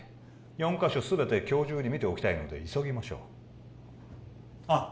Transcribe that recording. ４カ所全て今日中に見ておきたいので急ぎましょうあっ